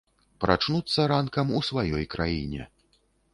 Прачнуцца ранкам у сваёй краіне.